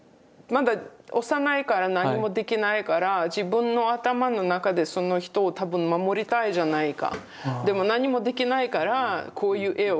まだ幼いから何もできないから自分の頭の中でその人を多分守りたいんじゃないか。